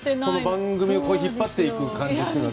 番組を引っ張っていく感じというのは。